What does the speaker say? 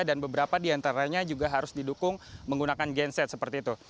dan beberapa diantaranya juga harus didukung menggunakan genset seperti itu